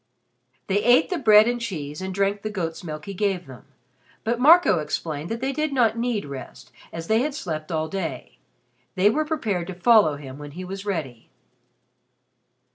They ate the bread and cheese and drank the goat's milk he gave them, but Marco explained that they did not need rest as they had slept all day. They were prepared to follow him when he was ready.